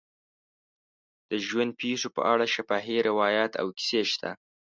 د ژوند پېښو په اړه شفاهي روایات او کیسې شته.